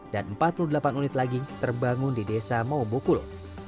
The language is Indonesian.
dan empat puluh delapan unit lagi terbangun di desa maobokul